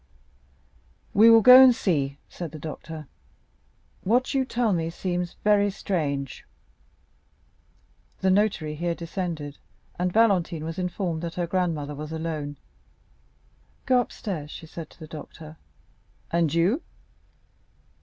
"We will go and see," said the doctor; "what you tell me seems very strange." The notary here descended, and Valentine was informed that her grandmother was alone. "Go upstairs," she said to the doctor. "And you?"